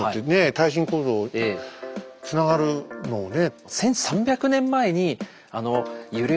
耐震構造につながるのをね。